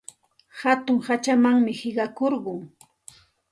Hatun hachamanmi qiqakurqun.